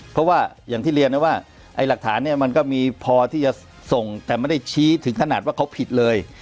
เพราะว่าอย่างที่เรียนนะว่าไอ้หลักฐานเนี่ยมันก็มีพอที่จะส่งแต่ไม่ได้ชี้ถึงขนาดว่าเขาผิดเลย